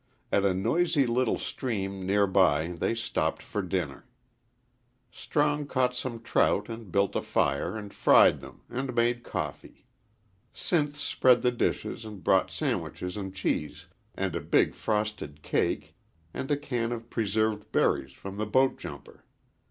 At a noisy little stream near by they stopped for dinner. Strong caught some trout and built a fire and fried them, and made coffee. Sinth spread the dishes and brought sandwiches and cheese and a big, frosted cake and a can of preserved berries from the boat jumper.